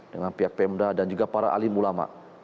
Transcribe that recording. dengan pihak pemda dan juga para alim ulama